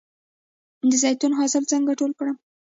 د زیتون حاصل څنګه ټول کړم؟